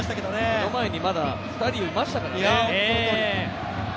目の前にまだ２人いましたからね。